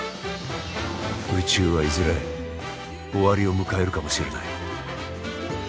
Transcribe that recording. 宇宙はいずれ終わりを迎えるかもしれない。